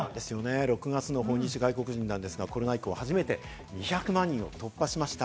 ６月の訪日外国人ですが、コロナ以降、初めて２００万人を突破しました。